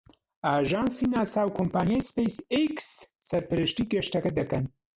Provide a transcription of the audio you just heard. ئاژانسی ناسا و کۆمپانیای سپەیس ئێکس سەرپەرشتی گەشتەکە دەکەن.